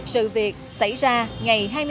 sự việc xảy ra ngày